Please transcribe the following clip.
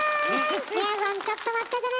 みやぞんちょっと待っててね。